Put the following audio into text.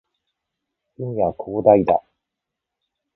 海は広大だ